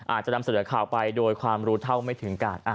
อาจจะนำเสนอข่าวไปโดยความรู้เท่าไม่ถึงการ